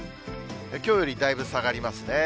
きょうよりだいぶ下がりますね。